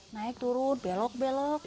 naik turun belok belok